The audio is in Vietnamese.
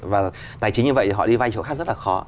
và tài chính như vậy thì họ đi vay chỗ khác rất là khó